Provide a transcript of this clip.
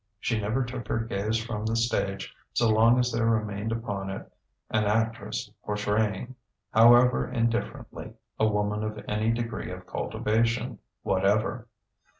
She never took her gaze from the stage so long as there remained upon it an actress portraying, however indifferently, a woman of any degree of cultivation whatever.